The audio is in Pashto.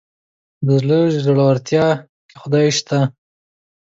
د زړه ژورتيا کې خدای شته.